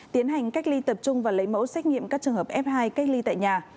tiến hành cách ly tập trung và lấy mẫu xét nghiệm các trường hợp f hai cách ly tại nhà